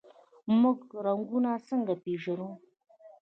موږ رنګونه څنګه پیژنو؟